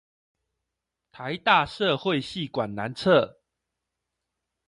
臺大社會系館南側